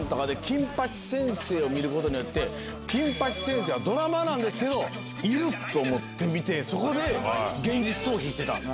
『金八先生』を見ることによって金八先生はドラマですけどいる！と思って見てそこで現実逃避してた。